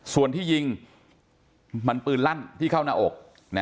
ส่วนที่ยิงมันปืนลั่นที่เข้าหน้าอก